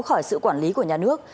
khỏi sự quản lý của nhà nước